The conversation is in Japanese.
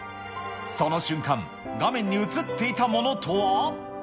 その瞬間、画面に映っていたものとは？